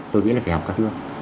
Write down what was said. tôi nghĩ là phải học các nước